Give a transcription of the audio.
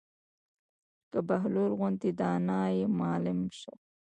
که بهلول غوندې دانا ئې معلم شي